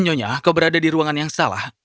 nyonya kau berada di ruangan yang salah